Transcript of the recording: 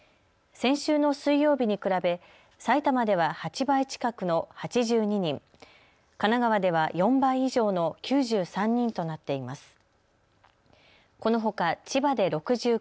先週の水曜日に比べ埼玉では８倍近くの８２人、神奈川では４倍以上の９３人となっています。